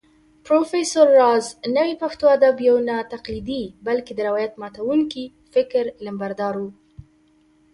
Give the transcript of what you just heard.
پروفېسر راز نوې پښتو ادب يو ناتقليدي بلکې د روايت ماتونکي فکر علمبردار و